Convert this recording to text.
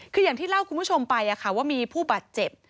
คืออย่างที่เล่าคุณผู้ชมไปว่ามีผู้บาดเจ็บ